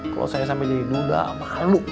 kalau saya sampai jadi muda malu